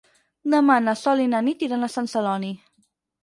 Demà na Sol i na Nit iran a Sant Celoni.